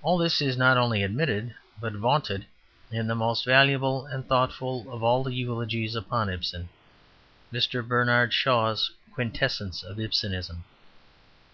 All this is not only admitted, but vaunted in the most valuable and thoughtful of all the eulogies upon Ibsen, Mr. Bernard Shaw's QUINTESSENCE OF IBSENISM.